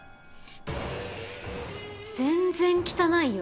全然汚いよ